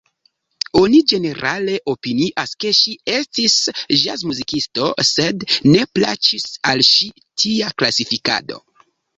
Oni ĝenerale opinias ke ŝi estis ĵazmuzikisto sed ne plaĉis al ŝi tia klasifikado.